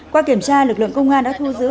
qua kiểm tra lực lượng công an đã thu giữ